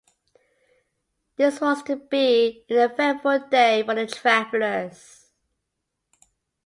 This was to be an eventful day for the travellers.